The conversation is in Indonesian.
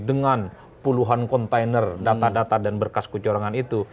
dengan puluhan kontainer data data dan berkas kecurangan itu